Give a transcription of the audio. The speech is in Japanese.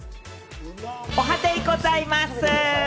おはデイございます！